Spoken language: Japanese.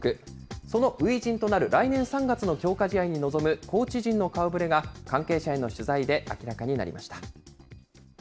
その初陣となる来年３月の強化試合に臨むコーチ陣の顔ぶれが、関係者への取材で明らかになりました。